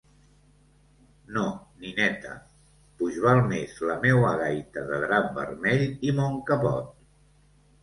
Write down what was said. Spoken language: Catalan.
No, nineta, puix val més la meua gaita de drap vermell i mon capot.